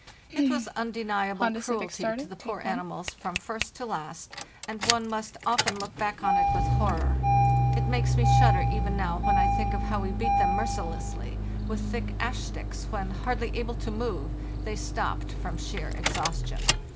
It was undeniable cruelty to the poor animals from first to last, and one must often look back on it with horror. It makes me shudder even now when I think of how we beat them mercilessly with thick ash sticks when, hardly able to move, they stopped from sheer exhaustion.